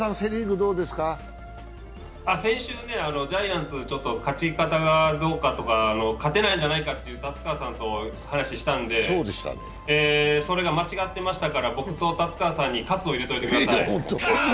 先週、ジャイアンツ、勝ち方がどうかとか、勝てないんじゃないかと達川さんと話をしたんでそれが間違っていましたから、今日僕と達川さんに喝を入れておいてください。